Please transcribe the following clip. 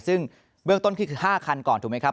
ซึ่งเบื้องต้นคิดคือ๕คันก่อนถูกไหมครับ